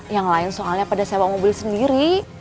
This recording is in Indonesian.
yang lain soalnya pada sewa mobil sendiri